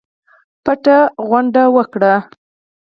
پټه غونډه وکړه.